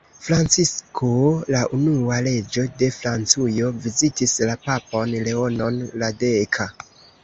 Francisko la unua, reĝo de Francujo vizitis la papon Leonon la deka.